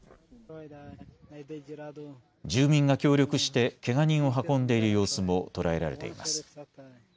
住民が協力してしてけが人を運んでいる様子も捉えられています。